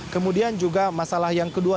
kemudian juga masalah yang kedua